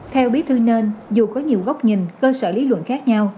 theo bí thư nên dù có nhiều góc nhìn cơ sở lý luận khác nhau